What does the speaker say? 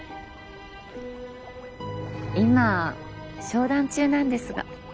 今商談中なんですが。